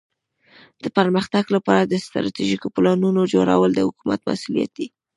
د پرمختګ لپاره د استراتیژیکو پلانونو جوړول د حکومت مسؤولیت دی.